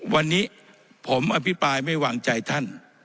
วันนี้ผมอภิปรายไม่วางใจท่าน